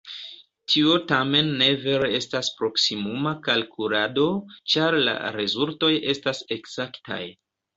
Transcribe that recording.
Tio tamen ne vere estas proksimuma kalkulado, ĉar la rezultoj estas ekzaktaj.